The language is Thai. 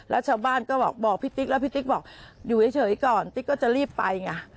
แล้วชาวบ้านก็บอกพี่ติ๊กแล้วพี่ติ๊กบอกอยู่เฉยก่อนติ๊กก็จะรีบไปไง